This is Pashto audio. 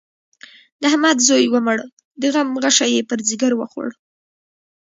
د احمد زوی ومړ؛ د غم غشی يې پر ځيګر وخوړ.